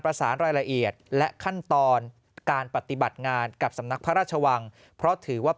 สารรายละเอียดและขั้นตอนการปฏิบัติงานกับสำนักพระราชวังเพราะถือว่า